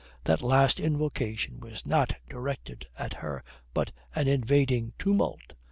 That last invocation was not directed at her but an invading tumult.